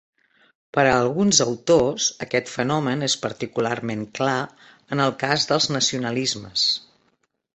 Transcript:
Per a alguns autors, aquest fenomen és particularment clar en el cas dels nacionalismes.